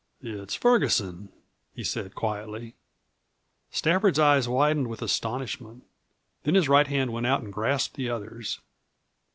"It's Ferguson," he said quietly. Stafford's eyes widened with astonishment. Then his right hand went out and grasped the other's.